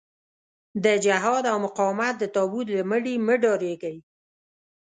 د جهاد او مقاومت د تابوت له مړي مه ډارېږئ.